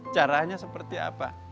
caranya seperti apa